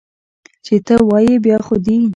چې ته وایې، بیا خو دي!